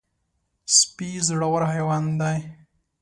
سپي زړور حیوان دی.